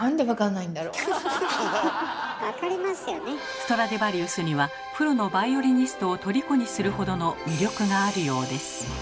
ストラディヴァリウスにはプロのバイオリニストをとりこにするほどの魅力があるようです。